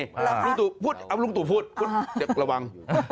หรือคะลุงตุพูดเอาลุงตุพูดระวัง